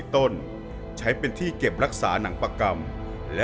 ชื่องนี้ชื่องนี้ชื่องนี้ชื่องนี้ชื่องนี้